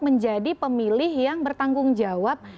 menjadi pemilih yang bertanggung jawab